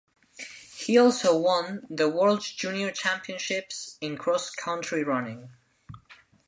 He also won the World Junior Championships in cross country running.